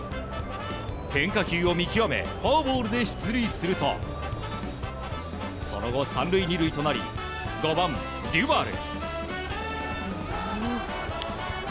変化球を見極めフォアボールで出塁するとその後、３塁２塁となり５番、デュバル。